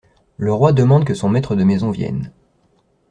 Le roi demande que son maître de maison vienne.